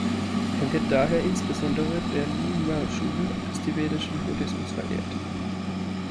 Er wird daher insbesondere in der Nyingma-Schule des tibetischen Buddhismus verehrt.